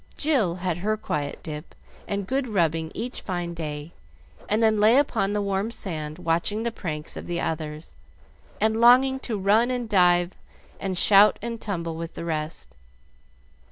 Jill had her quiet dip and good rubbing each fine day, and then lay upon the warm sand watching the pranks of the others, and longing to run and dive and shout and tumble with the rest.